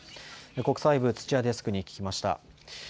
国際部、土屋デスクに聞きました。